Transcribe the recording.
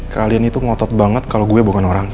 kalian itu ngotot banget kalau gue bukan orang